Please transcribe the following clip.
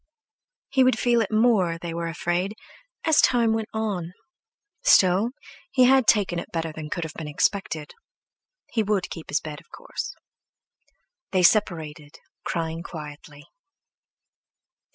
He would feel it more, they were afraid, as time went on. Still, he had taken it better than could have been expected. He would keep his bed, of course! They separated, crying quietly.